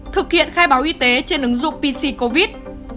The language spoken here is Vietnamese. thực hiện khai báo y tế trên ứng dụng pc covid